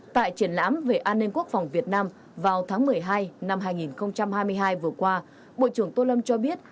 tại triển lãm về an ninh quốc phòng việt nam vào tháng một mươi hai năm hai nghìn hai mươi hai vừa qua bộ trưởng tô lâm cho biết